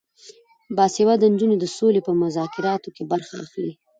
باسواده نجونې د سولې په مذاکراتو کې برخه اخلي.